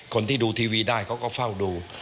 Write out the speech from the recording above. คนที่ดูทีวีได้เขาก็เฝ้าดู